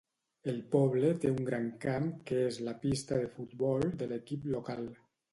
El poble té un gran camp que és la pista de futbol de l'equip local.